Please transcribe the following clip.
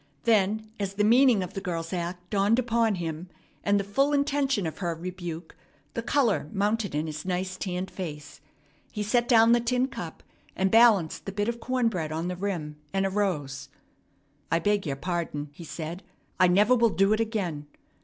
Then, as the meaning of the girl's act dawned upon him, and the full intention of her rebuke, the color mounted in his nice, tanned face. He set down the tin cup, and balanced the bit of corn bread on the rim, and arose. "I beg your pardon," he said. "I never will do it again.